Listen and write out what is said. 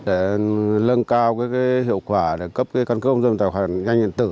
để lân cao cái hiệu quả để cấp cái căn cấp công dân tài khoản danh điện tử